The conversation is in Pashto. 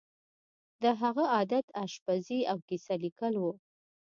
د هغه عادت آشپزي او کیسه لیکل وو